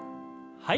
はい。